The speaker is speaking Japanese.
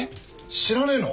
知らねえの？